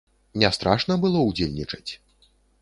Не страшна было ўдзельнічаць?